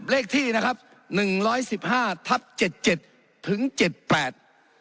เลขที่นะครับหนึ่งร้อยสิบห้าทับเจ็ดเจ็ดถึงเจ็ดแปด